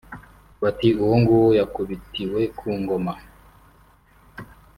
bati uwo nguwo yakubitiwe ku ngoma